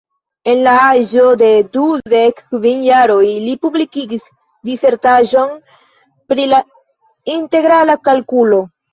En la aĝo de dudek kvin jaroj li publikigis disertaĵon pri la integrala kalkulo.